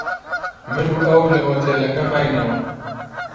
من و ئەو لە هۆتێلەکە ماینەوە.